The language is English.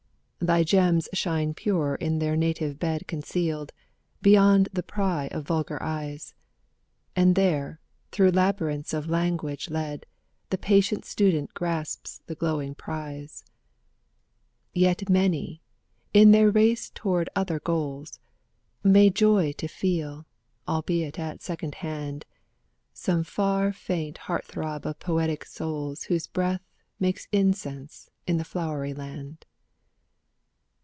Thy gems shine purer in their native bed Concealed., beyond the pry of vulgar eyes ; And there., through labyrinths of language led., The patient student grasps the glowing prize. Yet many., in their race toward other goals., May joy to feel., albeit at second hand., Some far faint heart throb of poetic souls Whose breath makes incense in the Flowery Land.